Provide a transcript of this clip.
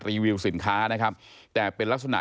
รีวิวสินค้านะครับแต่เป็นลักษณะ